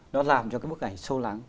nó làm cho cái bức ảnh sâu lắng